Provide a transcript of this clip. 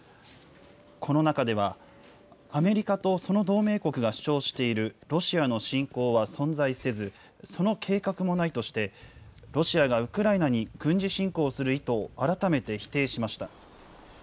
この中では、アメリカとその同盟国が主張しているロシアの侵攻は存在せず、その計画もないとして、ロシアがウクライナに軍事侵攻する意図を改めて否定しました。